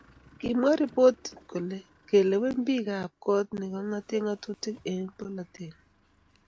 Kimwa ripotit kole kelewen bik ab kot che kingote ngatutik eng polatet ngwai